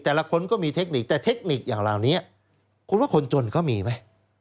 แต่ละคนก็มีเทคนิคแต่เทคนิคอย่างเหล่านี้คุณว่าคนจนเขามีไหม